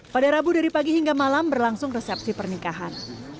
pada rabu dari pagi hingga malam berlangsung resepsi pernikahan